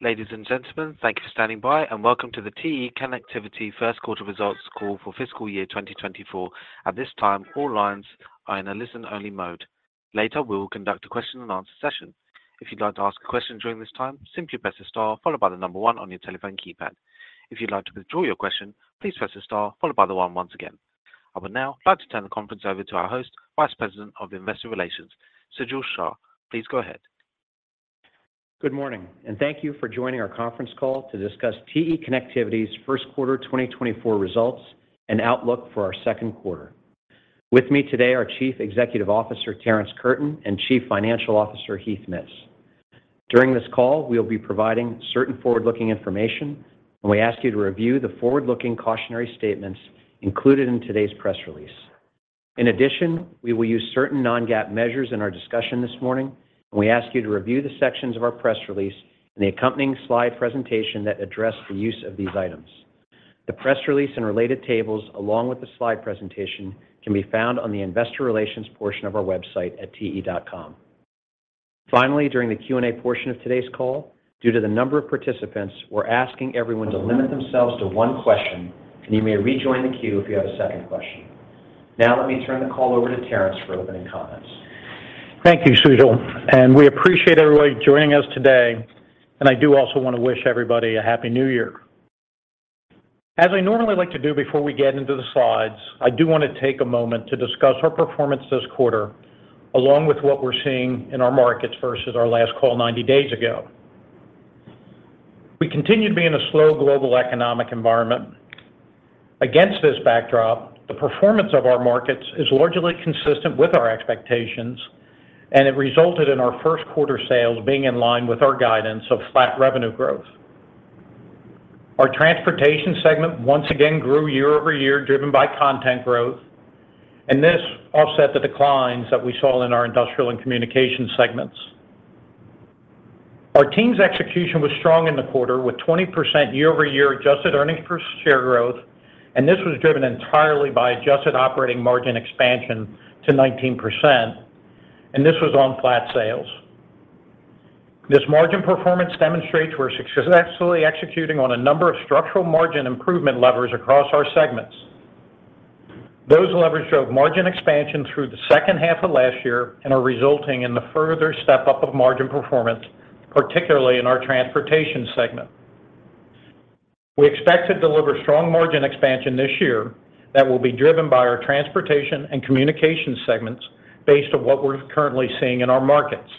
Ladies and gentlemen, thank you for standing by, and welcome to the TE Connectivity first quarter results call for fiscal year 2024. At this time, all lines are in a listen-only mode. Later, we will conduct a question-and-answer session. If you'd like to ask a question during this time, simply press the star followed by the 1 on your telephone keypad. If you'd like to withdraw your question, please press the star followed by the 1 once again. I would now like to turn the conference over to our host, Vice President of Investor Relations, Sujal Shah. Please go ahead. Good morning, and thank you for joining our conference call to discuss TE Connectivity's first quarter 2024 results and outlook for our second quarter. With me today are Chief Executive Officer Terrence Curtin and Chief Financial Officer Heath Mitts. During this call, we'll be providing certain forward-looking information, and we ask you to review the forward-looking cautionary statements included in today's press release. In addition, we will use certain non-GAAP measures in our discussion this morning, and we ask you to review the sections of our press release and the accompanying slide presentation that address the use of these items. The press release and related tables, along with the slide presentation, can be found on the investor relations portion of our website at te.com. Finally, during the Q&A portion of today's call, due to the number of participants, we're asking everyone to limit themselves to one question, and you may rejoin the queue if you have a second question. Now, let me turn the call over to Terrence for opening comments. Thank you, Sujal, and we appreciate everybody joining us today, and I do also want to wish everybody a happy New Year. As I normally like to do before we get into the slides, I do want to take a moment to discuss our performance this quarter, along with what we're seeing in our markets versus our last call 90 days ago. We continue to be in a slow global economic environment. Against this backdrop, the performance of our markets is largely consistent with our expectations, and it resulted in our first quarter sales being in line with our guidance of flat revenue growth. Our Transportation Segment once again grew year-over-year, driven by content growth, and this offset the declines that we saw in our Industrial and Communications Segments. Our team's execution was strong in the quarter, with 20% year-over-year adjusted earnings per share growth, and this was driven entirely by adjusted operating margin expansion to 19%, and this was on flat sales. This margin performance demonstrates we're successfully executing on a number of structural margin improvement levers across our segments. Those levers showed margin expansion through the second half of last year and are resulting in the further step-up of margin performance, particularly in our Transportation Segment. We expect to deliver strong margin expansion this year that will be driven by our Transportation and Communications Segments based on what we're currently seeing in our markets.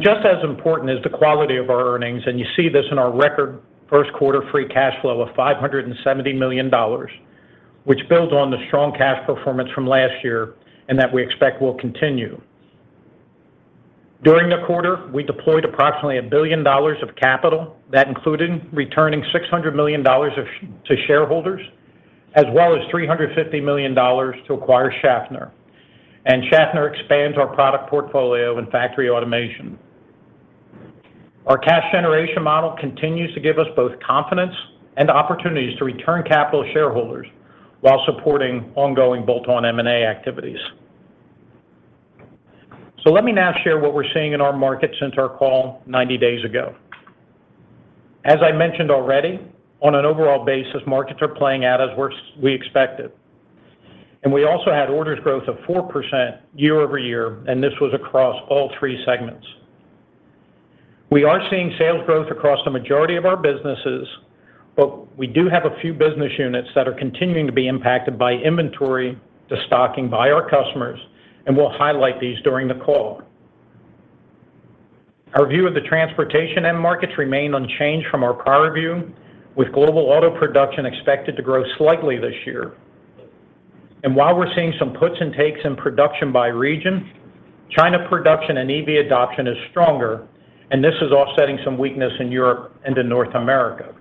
Just as important is the quality of our earnings, and you see this in our record first quarter free cash flow of $570 million, which builds on the strong cash performance from last year, and that we expect will continue. During the quarter, we deployed approximately $1 billion of capital. That included returning $600 million to shareholders, as well as $350 million to acquire Schaffner. Schaffner expands our product portfolio in factory automation. Our cash generation model continues to give us both confidence and opportunities to return capital to shareholders while supporting ongoing bolt-on M&A activities. So let me now share what we're seeing in our market since our call 90 days ago. As I mentioned already, on an overall basis, markets are playing out as we expected. We also had orders growth of 4% year-over-year, and this was across all three segments. We are seeing sales growth across the majority of our businesses, but we do have a few business units that are continuing to be impacted by inventory destocking by our customers, and we'll highlight these during the call. Our view of the Transportation end markets remain unchanged from our prior view, with global auto production expected to grow slightly this year. And while we're seeing some puts and takes in production by region, China production and EV adoption is stronger, and this is offsetting some weakness in Europe and in North America.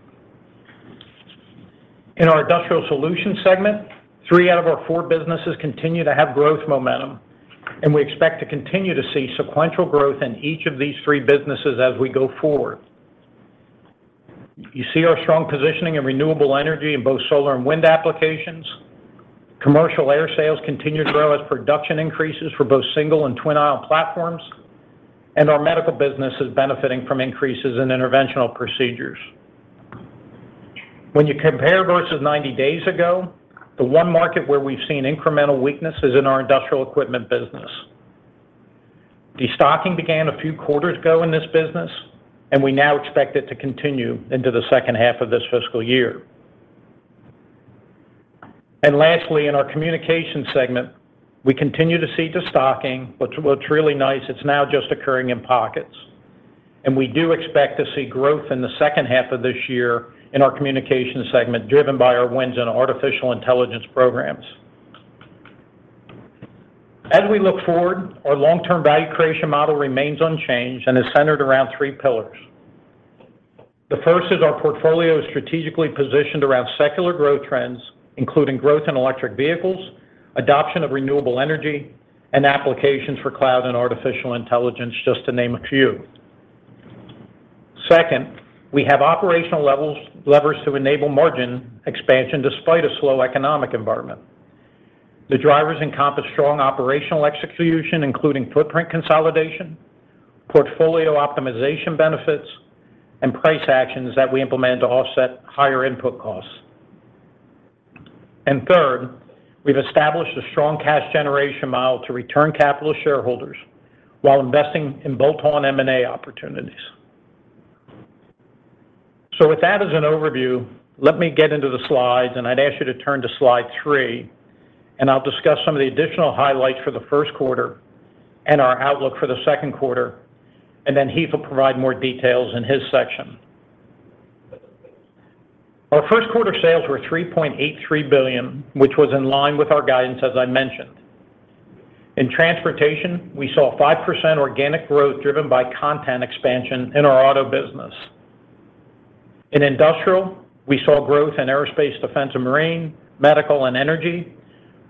In our Industrial Solutions segment, three out of our four businesses continue to have growth momentum, and we expect to continue to see sequential growth in each of these three businesses as we go forward. You see our strong positioning in renewable energy in both solar and wind applications. Commercial air sales continue to grow as production increases for both single and twin-aisle platforms, and our Medical business is benefiting from increases in interventional procedures. When you compare versus 90 days ago, the one market where we've seen incremental weakness is in our Industrial Equipment business. Destocking began a few quarters ago in this business, and we now expect it to continue into the second half of this fiscal year. Lastly, in our Communications Segment, we continue to see the stocking, which is really nice; it's now just occurring in pockets. We do expect to see growth in the second half of this year in our Communications Segment, driven by our wins in artificial intelligence programs. As we look forward, our long-term value creation model remains unchanged and is centered around three pillars. The first is our portfolio is strategically positioned around secular growth trends, including growth in electric vehicles, adoption of renewable energy, and applications for cloud and artificial intelligence, just to name a few. Second, we have operational levers to enable margin expansion despite a slow economic environment. The drivers encompass strong operational execution, including footprint consolidation, portfolio optimization benefits, and price actions that we implement to offset higher input costs. And third, we've established a strong cash generation model to return capital to shareholders while investing in bolt-on M&A opportunities. So with that as an overview, let me get into the slides, and I'd ask you to turn to slide 3, and I'll discuss some of the additional highlights for the first quarter and our outlook for the second quarter, and then Heath will provide more details in his section. Our first quarter sales were $3.83 billion, which was in line with our guidance, as I mentioned. In Transportation, we saw 5% organic growth, driven by content expansion in our Auto business. In Industrial, we saw growth in Aerospace, Defense, and Marine, Medical, and Energy,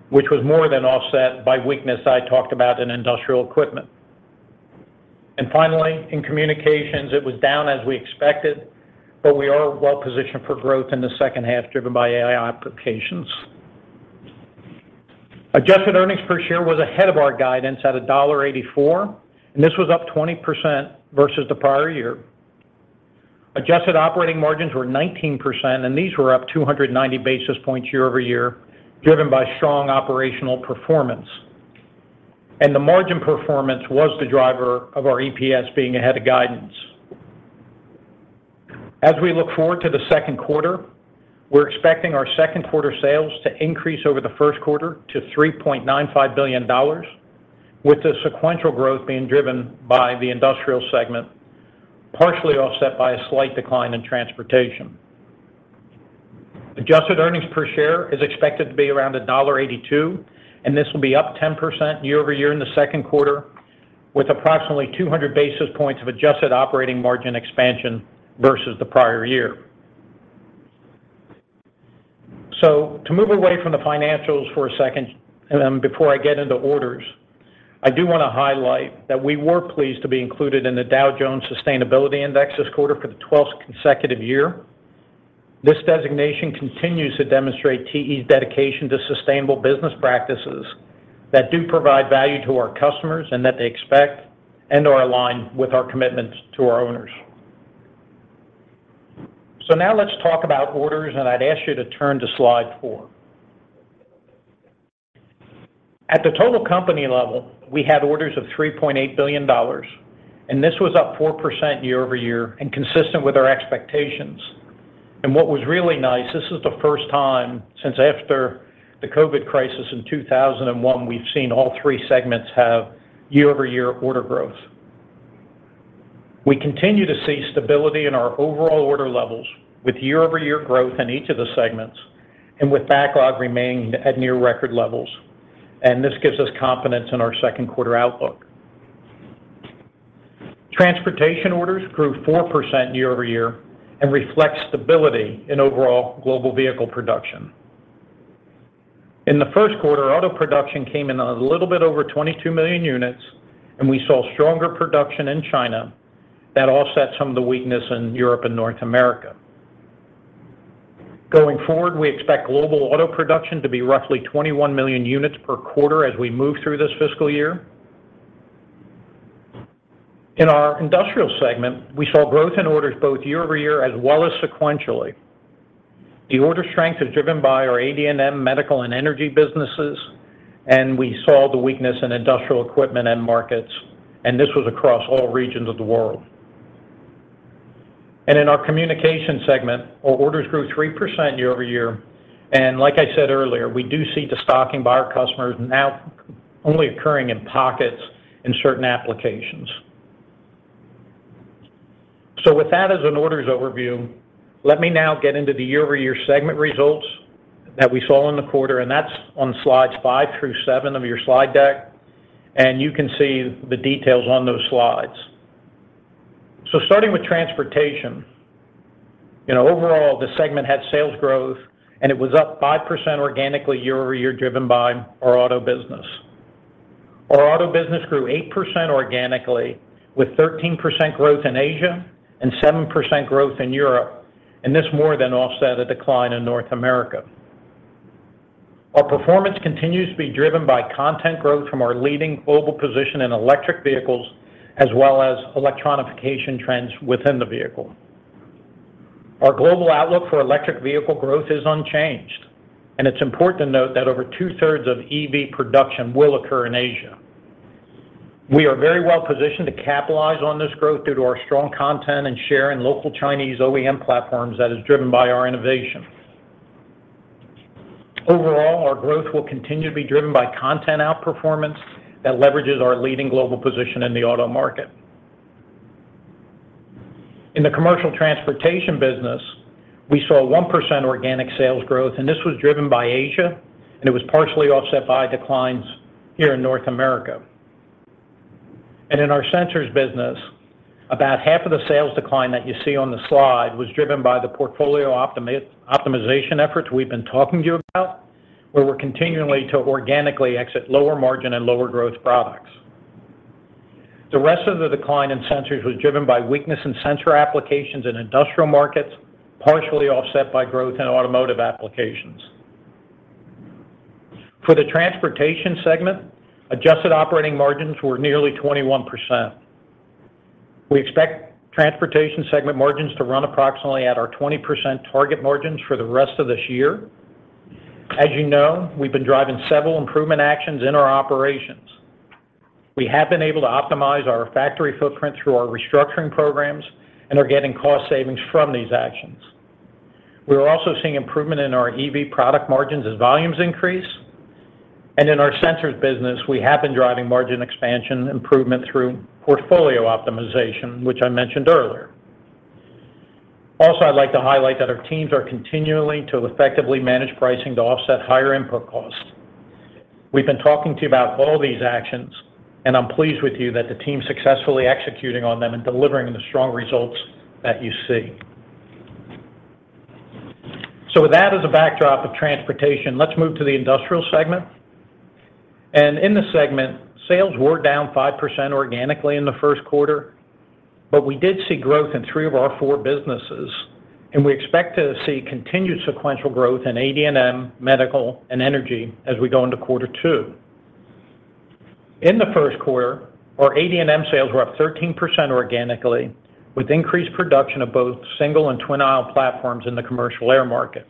which was more than offset by weakness I talked about in Industrial Equipment. And finally, in Communications, it was down as we expected, but we are well-positioned for growth in the second half, driven by AI applications. Adjusted earnings per share was ahead of our guidance at $1.84, and this was up 20% versus the prior year. Adjusted operating margins were 19%, and these were up 290 basis points year-over-year, driven by strong operational performance. The margin performance was the driver of our EPS being ahead of guidance. As we look forward to the second quarter, we're expecting our second quarter sales to increase over the first quarter to $3.95 billion, with the sequential growth being driven by Industrial Segment, partially offset by a slight decline in Transportation. Adjusted earnings per share is expected to be around $1.82, and this will be up 10% year-over-year in the second quarter, with approximately 200 basis points of adjusted operating margin expansion versus the prior year. To move away from the financials for a second, before I get into orders, I do want to highlight that we were pleased to be included in the Dow Jones Sustainability Index this quarter for the 12th consecutive year. This designation continues to demonstrate TE's dedication to sustainable business practices that do provide value to our customers and that they expect and are aligned with our commitments to our owners. So now let's talk about orders, and I'd ask you to turn to slide 4. At the total company level, we had orders of $3.8 billion, and this was up 4% year-over-year and consistent with our expectations. What was really nice, this is the first time since after the COVID crisis in 2001, we've seen all three segments have year-over-year order growth. We continue to see stability in our overall order levels with year-over-year growth in each of the segments, and with backlog remaining at near record levels. This gives us confidence in our second quarter outlook. Transportation orders grew 4% year-over-year and reflect stability in overall global vehicle production. In the first quarter, auto production came in a little bit over 22 million units, and we saw stronger production in China that offset some of the weakness in Europe and North America. Going forward, we expect global auto production to be roughly 21 million units per quarter as we move through this fiscal year. In Industrial Segment, we saw growth in orders both year-over-year as well as sequentially. The order strength is driven by our AD&M, Medical and Energy businesses, and we saw the weakness in Industrial Equipment end markets, and this was across all regions of the world. In our Communications Segment, our orders grew 3% year-over-year. And like I said earlier, we do see destocking by our customers now only occurring in pockets in certain applications. So with that as an orders overview, let me now get into the year-over-year segment results that we saw in the quarter, and that's on slides five through seven of your slide deck, and you can see the details on those slides. So starting with Transportation, you know, overall, the segment had sales growth, and it was up 5% organically year-over-year, driven by our Auto business. Our Auto business grew 8% organically, with 13% growth in Asia and 7% growth in Europe, and this more than offset a decline in North America. Our performance continues to be driven by content growth from our leading global position in electric vehicles, as well as electronification trends within the vehicle. Our global outlook for electric vehicle growth is unchanged, and it's important to note that over 2/3 of EV production will occur in Asia. We are very well positioned to capitalize on this growth due to our strong content and share in local Chinese OEM platforms that is driven by our innovation. Overall, our growth will continue to be driven by content outperformance that leverages our leading global position in the auto market. In the Commercial Transportation business, we saw a 1% organic sales growth, and this was driven by Asia, and it was partially offset by declines here in North America. And in our Sensors business, about half of the sales decline that you see on the slide was driven by the portfolio optimization efforts we've been talking to you about, where we're continuing to organically exit lower margin and lower growth products... The rest of the decline in Sensors was driven by weakness in sensor applications in Industrial markets, partially offset by growth in automotive applications. For the Transportation Segment, adjusted operating margins were nearly 21%. We expect Transportation Segment margins to run approximately at our 20% target margins for the rest of this year. As you know, we've been driving several improvement actions in our operations. We have been able to optimize our factory footprint through our restructuring programs and are getting cost savings from these actions. We are also seeing improvement in our EV product margins as volumes increase. In our Sensors business, we have been driving margin expansion improvement through portfolio optimization, which I mentioned earlier. Also, I'd like to highlight that our teams are continually to effectively manage pricing to offset higher input costs. We've been talking to you about all these actions, and I'm pleased with you that the team successfully executing on them and delivering the strong results that you see. With that as a backdrop of Transportation, let's move to the Industrial Segment. In this segment, sales were down 5% organically in the first quarter, but we did see growth in three of our four businesses, and we expect to see continued sequential growth in AD&M, Medical, and Energy as we go into quarter two. In the first quarter, our AD&M sales were up 13% organically, with increased production of both single and twin aisle platforms in the commercial air market.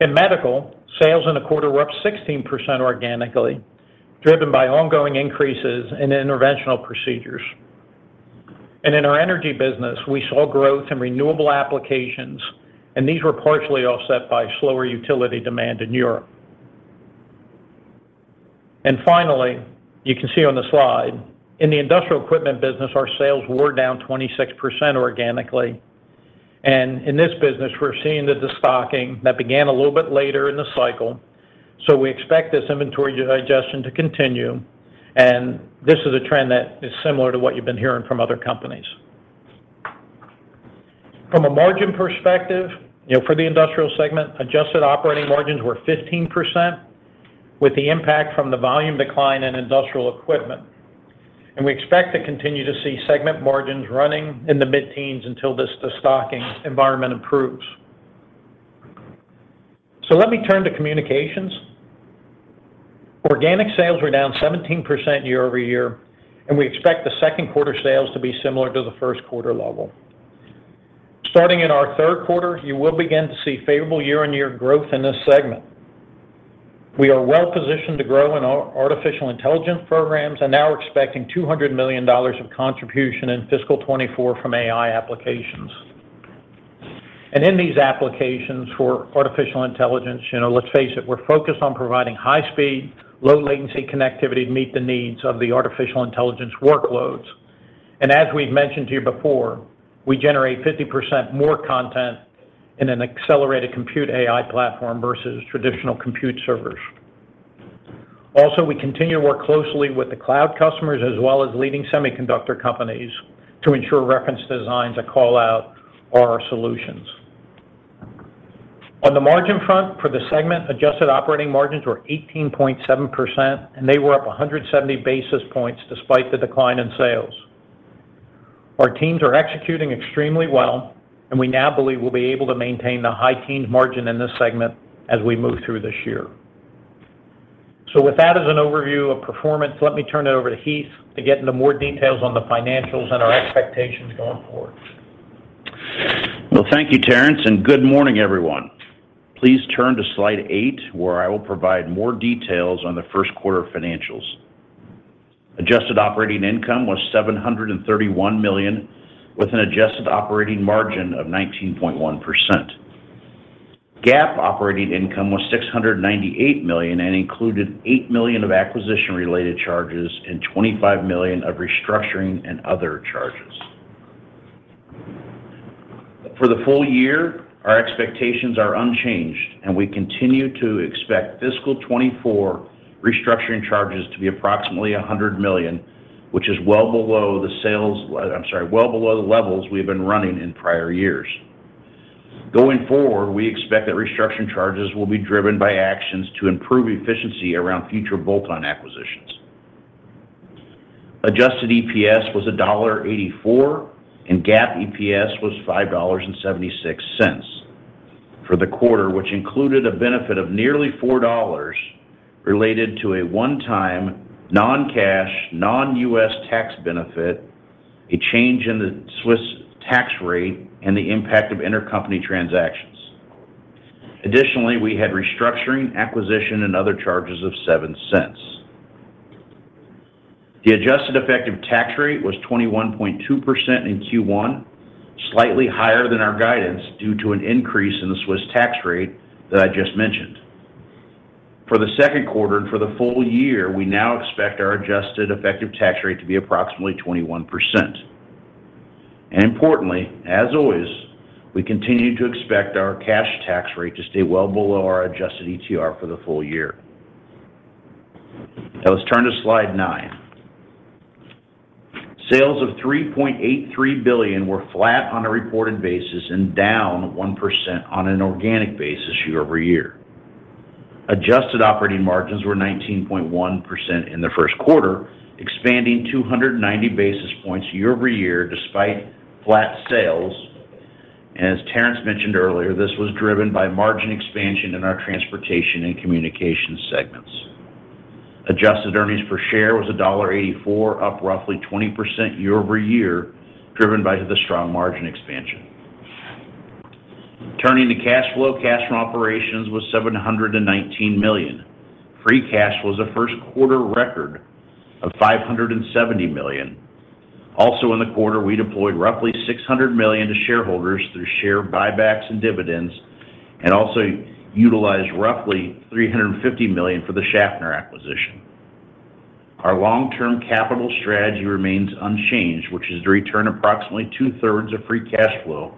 In Medical, sales in the quarter were up 16% organically, driven by ongoing increases in interventional procedures. In our Energy business, we saw growth in renewable applications, and these were partially offset by slower utility demand in Europe. Finally, you can see on the slide, in the Industrial Equipment business, our sales were down 26% organically. In this business, we're seeing the destocking that began a little bit later in the cycle, so we expect this inventory digestion to continue, and this is a trend that is similar to what you've been hearing from other companies. From a margin perspective, you know, for Industrial Segment, adjusted operating margins were 15%, with the impact from the volume decline in Industrial Equipment. We expect to continue to see segment margins running in the mid-teens until this destocking environment improves. Let me turn to Communications. Organic sales were down 17% year-over-year, and we expect the second quarter sales to be similar to the first quarter level. Starting in our third quarter, you will begin to see favorable year-over-year growth in this segment. We are well positioned to grow in our artificial intelligence programs and now are expecting $200 million of contribution in fiscal 2024 from AI applications. In these applications for artificial intelligence, you know, let's face it, we're focused on providing high-speed, low-latency connectivity to meet the needs of the artificial intelligence workloads. As we've mentioned to you before, we generate 50% more content in an accelerated compute AI platform versus traditional compute servers. Also, we continue to work closely with the cloud customers as well as leading semiconductor companies to ensure reference designs that call out our solutions. On the margin front, for the segment, adjusted operating margins were 18.7%, and they were up 170 basis points despite the decline in sales. Our teams are executing extremely well, and we now believe we'll be able to maintain the high teens margin in this segment as we move through this year. With that as an overview of performance, let me turn it over to Heath to get into more details on the financials and our expectations going forward. Well, thank you, Terrence, and good morning, everyone. Please turn to slide eight, where I will provide more details on the first quarter financials. Adjusted operating income was $731 million, with an adjusted operating margin of 19.1%. GAAP operating income was $698 million and included $8 million of acquisition-related charges and $25 million of restructuring and other charges. For the full year, our expectations are unchanged, and we continue to expect fiscal 2024 restructuring charges to be approximately $100 million, which is well below the levels we have been running in prior years. Going forward, we expect that restructuring charges will be driven by actions to improve efficiency around future bolt-on acquisitions. Adjusted EPS was $1.84, and GAAP EPS was $5.76. For the quarter, which included a benefit of nearly $4 related to a one-time, non-cash, non-U.S. tax benefit, a change in the Swiss tax rate, and the impact of intercompany transactions. Additionally, we had restructuring, acquisition, and other charges of $0.07. The adjusted effective tax rate was 21.2% in Q1, slightly higher than our guidance due to an increase in the Swiss tax rate that I just mentioned. For the second quarter and for the full year, we now expect our adjusted effective tax rate to be approximately 21%. And importantly, as always, we continue to expect our cash tax rate to stay well below our adjusted ETR for the full year. Now, let's turn to slide nine. Sales of $3.83 billion were flat on a reported basis and down 1% on an organic basis year-over-year. Adjusted operating margins were 19.1% in the first quarter, expanding 290 basis points year-over-year, despite flat sales. As Terrence mentioned earlier, this was driven by margin expansion in our Transportation and Communications Segments. Adjusted earnings per share was $1.84, up roughly 20% year-over-year, driven by the strong margin expansion. Turning to cash flow, cash from operations was $719 million. Free cash was a first-quarter record of $570 million. Also, in the quarter, we deployed roughly $600 million to shareholders through share buybacks and dividends, and also utilized roughly $350 million for the Schaffner acquisition. Our long-term capital strategy remains unchanged, which is to return approximately 2/3 of free cash flow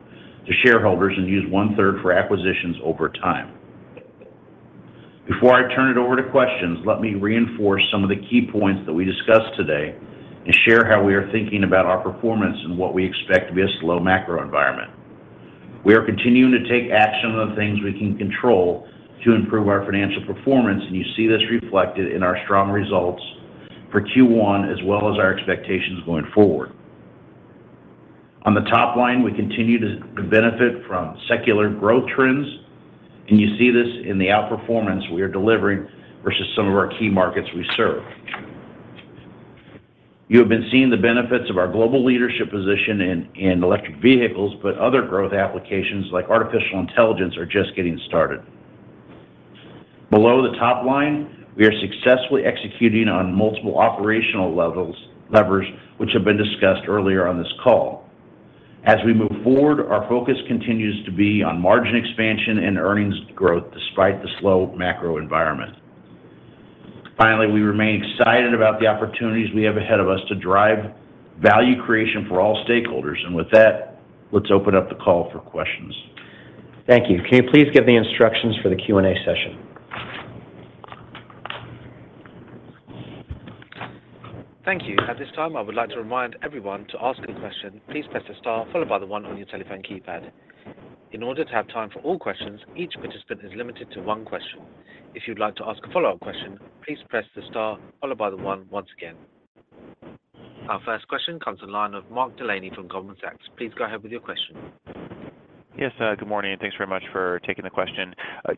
to shareholders and use one-third for acquisitions over time. Before I turn it over to questions, let me reinforce some of the key points that we discussed today and share how we are thinking about our performance and what we expect with this slow macro environment. We are continuing to take action on the things we can control to improve our financial performance, and you see this reflected in our strong results for Q1, as well as our expectations going forward. On the top line, we continue to benefit from secular growth trends, and you see this in the outperformance we are delivering versus some of our key markets we serve. You have been seeing the benefits of our global leadership position in electric vehicles, but other growth applications like artificial intelligence are just getting started. Below the top line, we are successfully executing on multiple operational levers, which have been discussed earlier on this call. As we move forward, our focus continues to be on margin expansion and earnings growth despite the slow macro environment. Finally, we remain excited about the opportunities we have ahead of us to drive value creation for all stakeholders. With that, let's open up the call for questions. Thank you. Can you please give the instructions for the Q&A session? Thank you. At this time, I would like to remind everyone, to ask a question, please press the star followed by the one on your telephone keypad. In order to have time for all questions, each participant is limited to one question. If you'd like to ask a follow-up question, please press the star followed by the one once again. Our first question comes to the line of Mark Delaney from Goldman Sachs. Please go ahead with your question. Yes, good morning, and thanks very much for taking the question.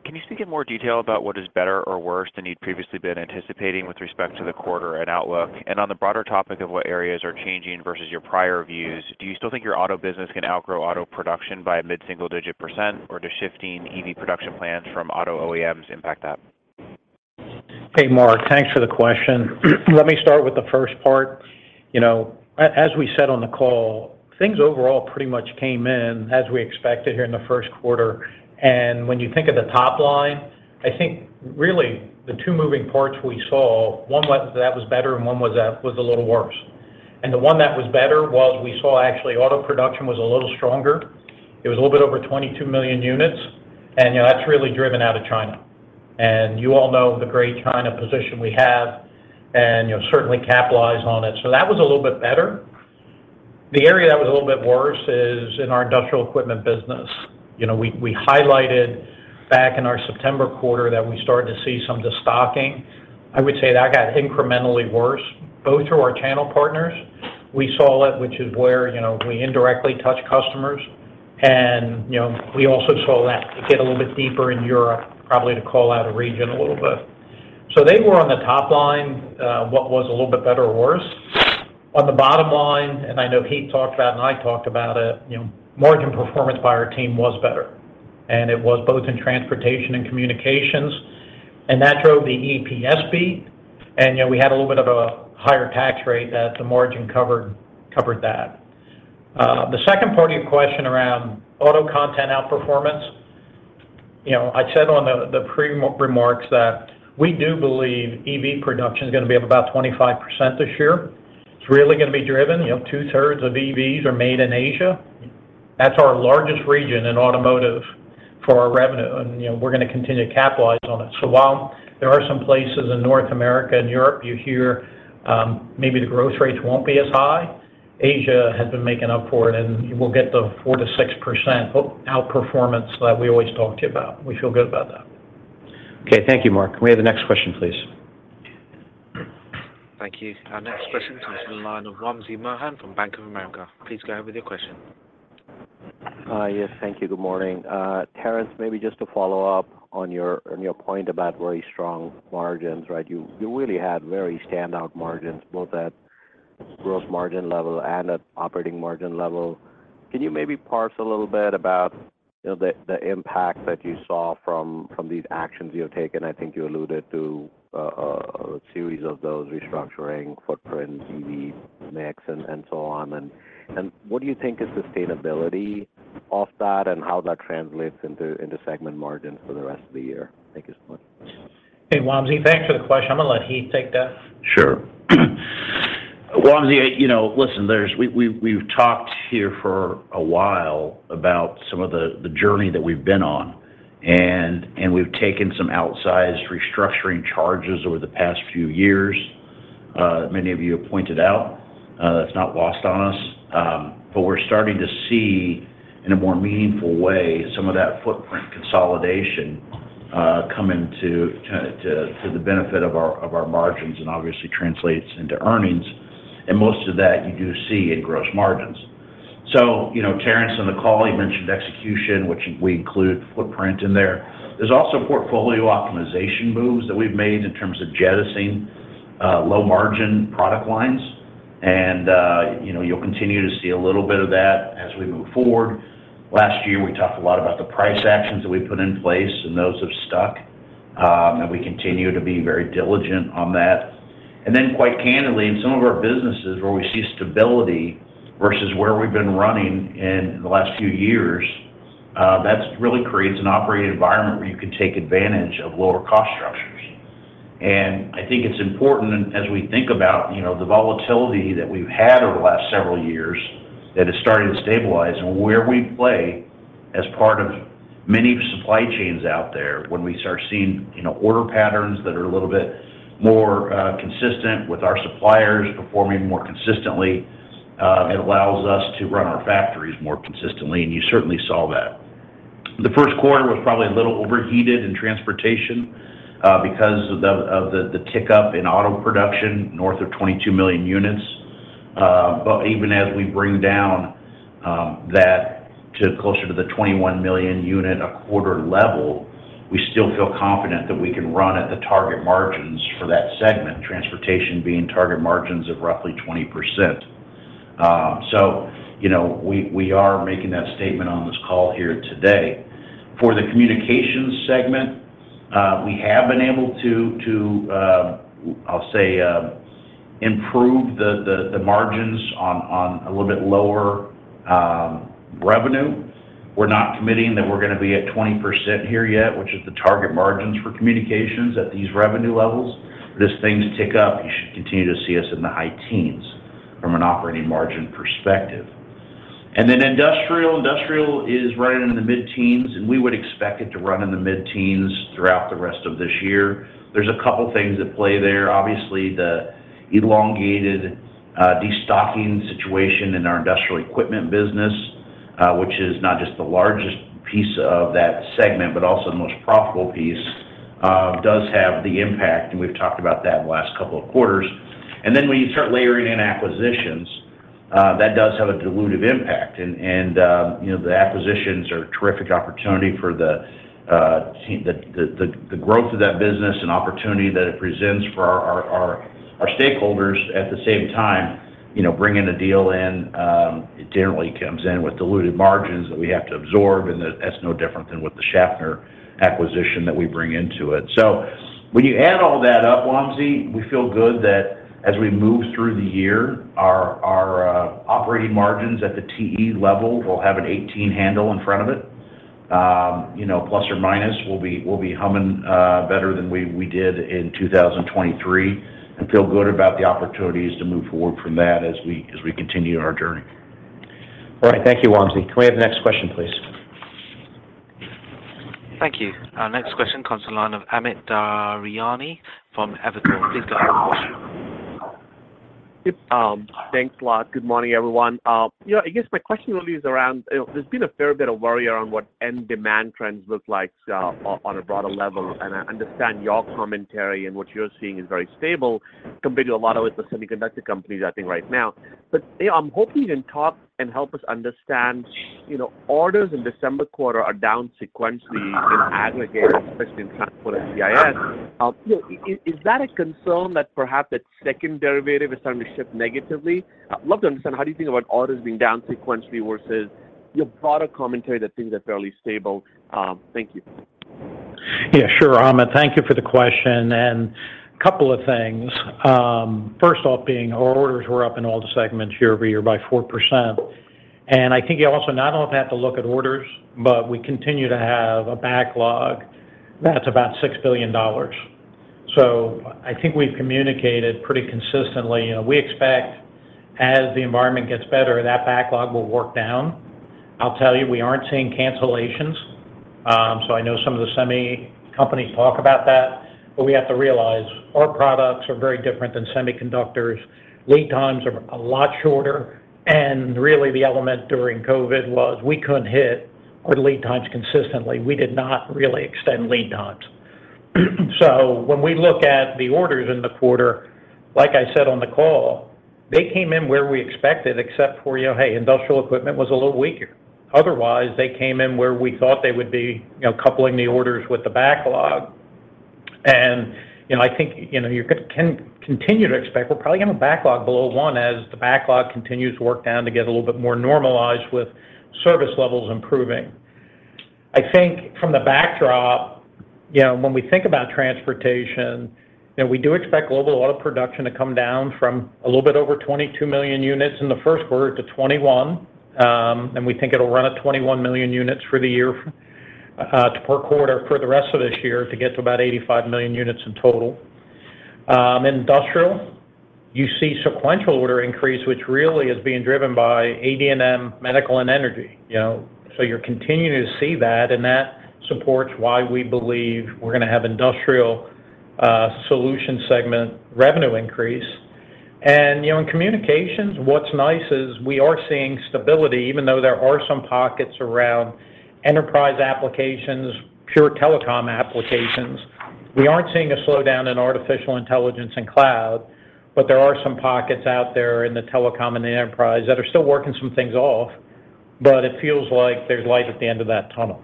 Can you speak in more detail about what is better or worse than you'd previously been anticipating with respect to the quarter and outlook? And on the broader topic of what areas are changing versus your prior views, do you still think your Auto business can outgrow auto production by a mid-single-digit percent, or do shifting EV production plans from auto OEMs impact that? Hey, Mark, thanks for the question. Let me start with the first part. You know, as we said on the call, things overall pretty much came in as we expected here in the first quarter, and when you think of the top line, I think really the two moving parts we saw, one was that was better, and one was a little worse. And the one that was better was we saw actually, auto production was a little stronger. It was a little bit over 22 million units, and, you know, that's really driven out of China. And you all know the great China position we have and, you know, certainly capitalize on it. So that was a little bit better. The area that was a little bit worse is in our Industrial Equipment business. You know, we highlighted back in our September quarter that we started to see some destocking. I would say that got incrementally worse, both through our channel partners, we saw it, which is where, you know, we indirectly touch customers. And, you know, we also saw that get a little bit deeper in Europe, probably to call out a region a little bit. So they were on the top line, what was a little bit better or worse. On the bottom line, and I know Heath talked about it, and I talked about it, you know, margin performance by our team was better, and it was both in Transportation and Communications, and that drove the EPS beat. And, you know, we had a little bit of a higher tax rate, that the margin covered that. The second part of your question around auto content outperformance. You know, I said on the pre remarks that we do believe EV production is gonna be up about 25% this year. It's really gonna be driven, you know, 2/3 of EVs are made in Asia. That's our largest region in automotive for our revenue, and, you know, we're gonna continue to capitalize on it. So while there are some places in North America and Europe, you hear, maybe the growth rates won't be as high, Asia has been making up for it, and we'll get the 4%-6% outperformance that we always talk to you about. We feel good about that. Okay. Thank you, Mark. May we have the next question, please? Thank you. Our next question comes from the line of Wamsi Mohan from Bank of America. Please go ahead with your question. Yes, thank you. Good morning. Terrence, maybe just to follow up on your point about very strong margins, right? You really had very standout margins, both at gross margin level and at operating margin level. Can you maybe parse a little bit about, you know, the impact that you saw from these actions you have taken? I think you alluded to a series of those restructuring footprint, EV mix, and so on. What do you think is sustainability of that and how that translates into segment margins for the rest of the year? Thank you so much. Hey, Wamsi, thanks for the question. I'm going to let Heath take that. Sure. Wamsi, you know, listen, there's—we've talked here for a while about some of the journey that we've been on, and we've taken some outsized restructuring charges over the past few years. Many of you have pointed out, that's not lost on us. But we're starting to see in a more meaningful way, some of that footprint consolidation coming to the benefit of our margins, and obviously translates into earnings, and most of that you do see in gross margins. So, you know, Terrence, on the call, you mentioned execution, which we include footprint in there. There's also portfolio optimization moves that we've made in terms of jettisoning low-margin product lines. And, you know, you'll continue to see a little bit of that as we move forward. Last year, we talked a lot about the price actions that we put in place, and those have stuck, and we continue to be very diligent on that. And then, quite candidly, in some of our businesses where we see stability versus where we've been running in the last few years, that's really creates an operating environment where you can take advantage of lower cost structures. And I think it's important as we think about, you know, the volatility that we've had over the last several years, that it's starting to stabilize. And where we play as part of many supply chains out there, when we start seeing, you know, order patterns that are a little bit more consistent with our suppliers performing more consistently, it allows us to run our factories more consistently, and you certainly saw that. The first quarter was probably a little overheated in Transportation because of the tick-up in auto production, north of 22 million units. But even as we bring down that to closer to the 21 million unit a quarter level, we still feel confident that we can run at the target margins for that segment, Transportation being target margins of roughly 20%. So, you know, we are making that statement on this call here today. For the Communications Segment, we have been able to, I'll say, improve the margins on a little bit lower revenue. We're not committing that we're gonna be at 20% here yet, which is the target margins for Communications at these revenue levels. But as things tick up, you should continue to see us in the high teens from an operating margin perspective. And then Industrial, Industrial is right in the mid-teens, and we would expect it to run in the mid-teens throughout the rest of this year. There's a couple things at play there. Obviously, the elongated destocking situation in our Industrial Equipment business, which is not just the largest piece of that segment, but also the most profitable piece, does have the impact, and we've talked about that the last couple of quarters. And then, when you start layering in acquisitions, that does have a dilutive impact. You know, the acquisitions are a terrific opportunity for the growth of that business and opportunity that it presents for our stakeholders. At the same time, you know, bringing the deal in, it generally comes in with diluted margins that we have to absorb, and that's no different than with the Schaffner acquisition that we bring into it. So when you add all that up, Wamsi, we feel good that as we move through the year, our operating margins at the TE level will have an 18 handle in front of it. You know, plus or minus, we'll be humming better than we did in 2023, and feel good about the opportunities to move forward from that as we continue our journey. All right. Thank you, Wamsi. Can we have the next question, please? Thank you. Our next question comes to the line of Amit Daryanani from Evercore. Please go ahead. Yep, thanks a lot. Good morning, everyone. Yeah, I guess my question really is around what end demand trends look like on a broader level, and I understand your commentary and what you're seeing is very stable compared to a lot of the semiconductor companies, I think, right now. But, yeah, I'm hoping you can talk and help us understand, you know, orders in December quarter are down sequentially in aggregate, especially in transport CIS. You know, is that a concern that perhaps that second derivative is starting to shift negatively? I'd love to understand how do you think about orders being down sequentially versus your broader commentary that things are fairly stable? Thank you. Yeah, sure, Amit. Thank you for the question, and couple of things. First off, being our orders were up in all the segments year-over-year by 4%. And I think you also not only have to look at orders, but we continue to have a backlog that's about $6 billion. So I think we've communicated pretty consistently. We expect as the environment gets better, that backlog will work down. I'll tell you, we aren't seeing cancellations. So I know some of the semi companies talk about that, but we have to realize our products are very different than semiconductors. Lead times are a lot shorter, and really the element during COVID was we couldn't hit our lead times consistently. We did not really extend lead times. So when we look at the orders in the quarter, like I said on the call, they came in where we expected, except for, you know, hey, Industrial Equipment was a little weaker. Otherwise, they came in where we thought they would be, you know, coupling the orders with the backlog. And, you know, I think, you know, you're gonna continue to expect we're probably going to have a backlog below one, as the backlog continues to work down to get a little bit more normalized with service levels improving. I think from the backdrop, you know, when we think about Transportation, you know, we do expect global auto production to come down from a little bit over 22 million units in the first quarter to 21. We think it'll run at 21 million units for the year, per quarter for the rest of this year, to get to about 85 million units in total. Industrial, you see sequential order increase, which really is being driven by AD&M, Medical, and Energy, you know. So you're continuing to see that, and that supports why we believe we're gonna Industrial Solution segment revenue increase. You know, in Communications, what's nice is we are seeing stability, even though there are some pockets around enterprise applications, pure telecom applications. We aren't seeing a slowdown in artificial intelligence and cloud, but there are some pockets out there in the telecom and the enterprise that are still working some things off, but it feels like there's light at the end of that tunnel.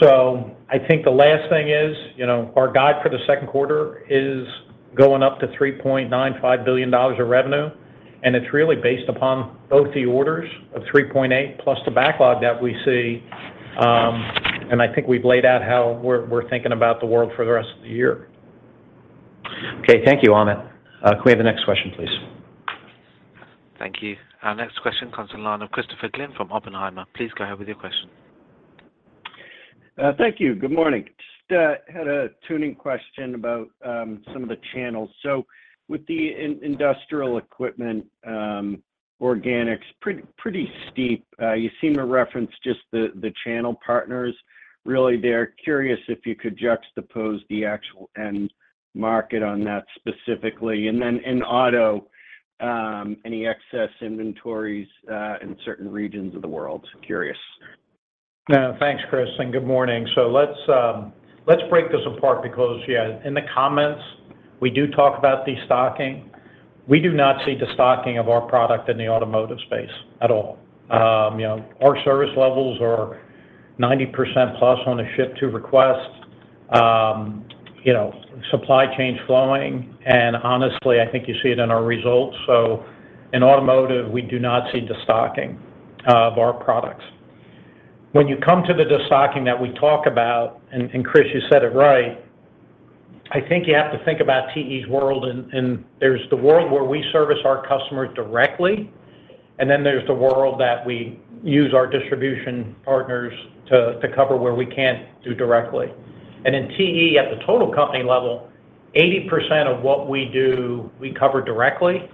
So I think the last thing is, you know, our guide for the second quarter is going up to $3.95 billion of revenue, and it's really based upon both the orders of $3.8 billion, plus the backlog that we see. And I think we've laid out how we're thinking about the world for the rest of the year. Okay. Thank you, Amit. Can we have the next question, please? Thank you. Our next question comes on the line of Christopher Glynn from Oppenheimer. Please go ahead with your question. Thank you. Good morning. Just had a tuning question about some of the channels. So with the Industrial Equipment organics, pretty steep. You seem to reference just the channel partners, really there. Curious if you could juxtapose the actual end market on that specifically. And then in Auto, any excess inventories in certain regions of the world? Curious. Thanks, Chris, and good morning. So let's break this apart because, yeah, in the comments, we do talk about destocking. We do not see destocking of our product in the Automotive space at all. You know, our service levels are 90%+ on a ship to request, you know, supply chain flowing, and honestly, I think you see it in our results. So in automotive, we do not see destocking of our products. When you come to the destocking that we talk about, and Chris, you said it right, I think you have to think about TE's world. In there's the world where we service our customers directly, and then there's the world that we use our distribution partners to cover where we can't do directly. In TE, at the total company level, 80% of what we do, we cover directly.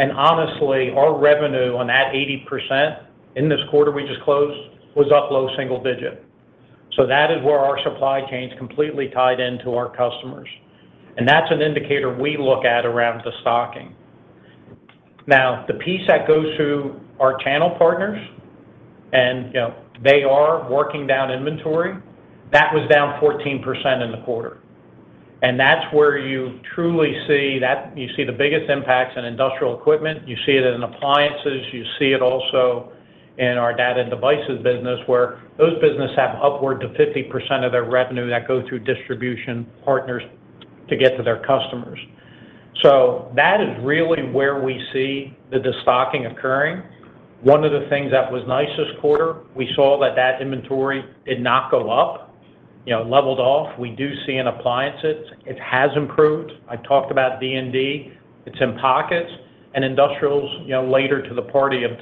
Honestly, our revenue on that 80% in this quarter we just closed, was up low single digit. So that is where our supply chain's completely tied into our customers, and that's an indicator we look at around destocking. Now, the piece that goes through our channel partners, and, you know, they are working down inventory, that was down 14% in the quarter. And that's where you truly see that, you see the biggest impacts in Industrial Equipment, you see it in Appliances, you see it also in our Data and Devices business, where those businesses have upward to 50% of their revenue that go through distribution partners to get to their customers. So that is really where we see the destocking occurring. One of the things that was nice this quarter, we saw that that inventory did not go up, you know, leveled off. We do see in Appliances, it has improved. I talked about D&D, it's in pockets. And Industrials, you know, later to the party of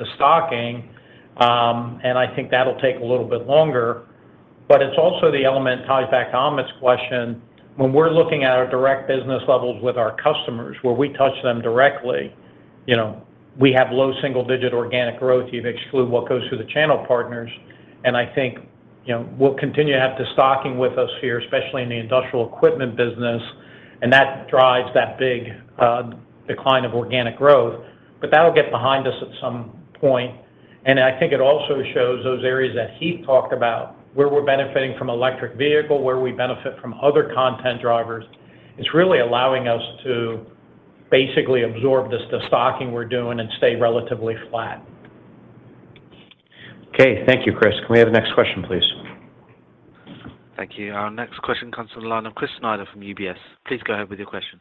destocking, and I think that'll take a little bit longer. But it's also the element ties back to Amit's question, when we're looking at our direct business levels with our customers, where we touch them directly, you know, we have low single-digit organic growth. You've excluded what goes through the channel partners, and I think, you know, we'll continue to have destocking with us here, especially in the Industrial Equipment business, and that drives that big decline of organic growth. But that'll get behind us at some point, and I think it also shows those areas that he talked about, where we're benefiting from electric vehicle, where we benefit from other content drivers. It's really allowing us to basically absorb this destocking we're doing and stay relatively flat. Okay. Thank you, Chris. Can we have the next question, please? Thank you. Our next question comes to the line of Chris Snyder from UBS. Please go ahead with your question.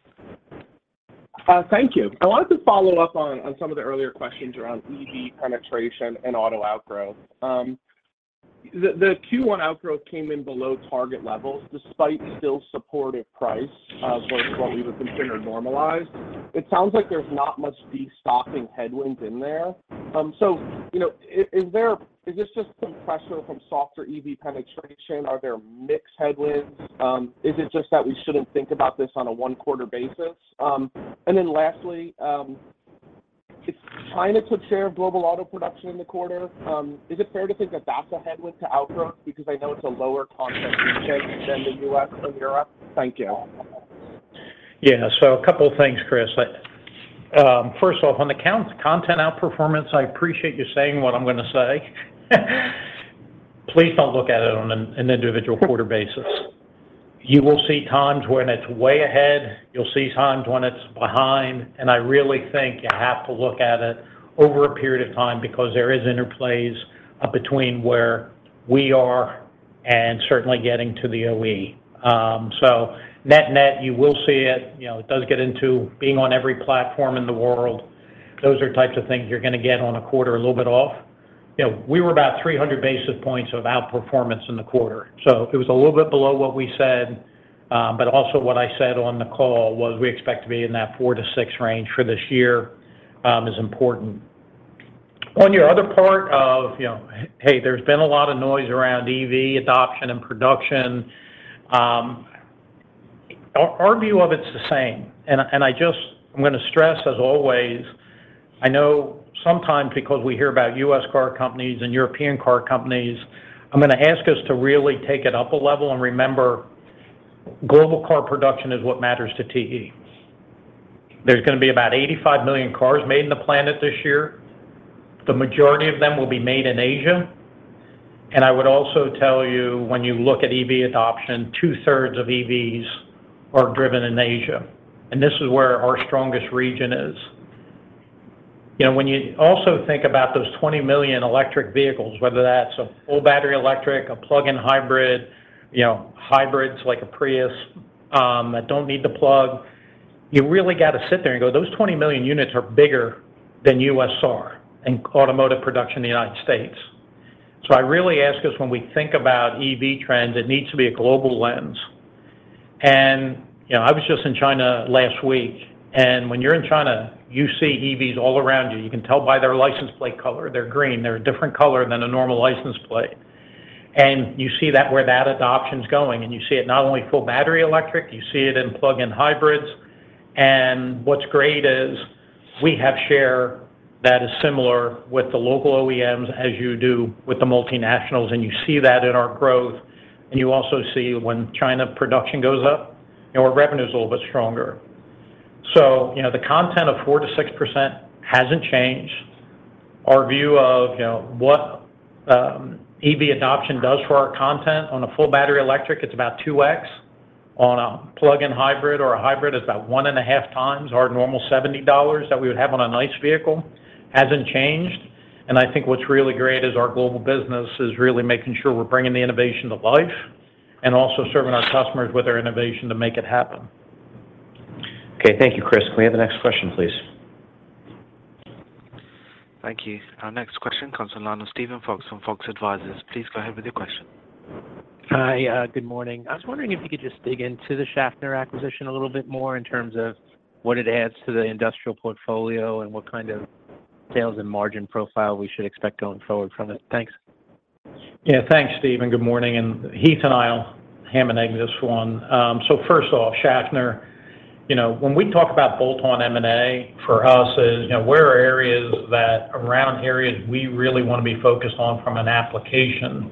Thank you. I wanted to follow up on some of the earlier questions around EV penetration and auto outgrowth. The Q1 outgrowth came in below target levels, despite still supportive pricing versus what we would consider normalized. It sounds like there's not much destocking headwind in there. So, you know, is this just compression from softer EV penetration? Are there mixed headwinds? Is it just that we shouldn't think about this on a one-quarter basis? And then lastly, if China took share of global auto production in the quarter, is it fair to think that that's a headwind to outgrowth? Because I know it's a lower content gain than the U.S. or Europe. Thank you. Yeah. So a couple of things, Chris. First of all, on the content outperformance, I appreciate you saying what I'm gonna say. Please don't look at it on an individual quarter basis. You will see times when it's way ahead, you'll see times when it's behind, and I really think you have to look at it over a period of time because there is interplays between where we are and certainly getting to the OE. So net-net, you will see it, you know, it does get into being on every platform in the world. Those are types of things you're gonna get on a quarter, a little bit off. You know, we were about 300 basis points of outperformance in the quarter, so it was a little bit below what we said. But also what I said on the call was we expect to be in that 4-6 range for this year is important. On your other part of, you know, hey, there's been a lot of noise around EV adoption and production. Our view of it's the same, and I'm gonna stress as always, I know sometimes because we hear about U.S. car companies and European car companies, I'm gonna ask us to really take it up a level and remember, global car production is what matters to TE. There's gonna be about 85 million cars made on the planet this year. The majority of them will be made in Asia, and I would also tell you, when you look at EV adoption, 2/3 of EVs are driven in Asia, and this is where our strongest region is. You know, when you also think about those 20 million electric vehicles, whether that's a full battery electric, a plug-in hybrid, you know, hybrids like a Prius, that don't need the plug, you really got to sit there and go, "Those 20 million units are bigger than U.S. are, in automotive production in the United States." So I really ask us when we think about EV trends, it needs to be a global lens. And, you know, I was just in China last week, and when you're in China, you see EVs all around you. You can tell by their license plate color, they're green, they're a different color than a normal license plate. And you see that where that adoption's going, and you see it not only full battery electric, you see it in plug-in hybrids. What's great is we have share that is similar with the local OEMs as you do with the multinationals, and you see that in our growth. And you also see when China production goes up, you know, our revenue is a little bit stronger. So, you know, the content of 4%-6% hasn't changed. Our view of, you know, what EV adoption does for our content on a full battery electric, it's about 2x. On a plug-in hybrid or a hybrid, it's about 1.5x our normal $70 that we would have on an ICE vehicle, hasn't changed. And I think what's really great is our global business is really making sure we're bringing the innovation to life and also serving our customers with our innovation to make it happen. Okay, thank you, Chris. Can we have the next question, please? Thank you. Our next question comes on the line of Steven Fox from Fox Advisors. Please go ahead with your question. Hi, good morning. I was wondering if you could just dig into the Schaffner acquisition a little bit more in terms of what it adds to the Industrial portfolio and what kind of sales and margin profile we should expect going forward from it? Thanks. Yeah, thanks, Steven. Good morning, and Heath and I will ham and egg this one. So first off, Schaffner, you know, when we talk about bolt-on M&A, for us is, you know, where are areas that around areas we really want to be focused on from an application?